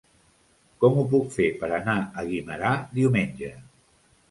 Com ho puc fer per anar a Guimerà diumenge?